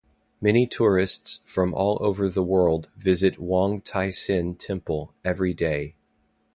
Many tourists from all over the world visit Wong Tai Sin Temple every day.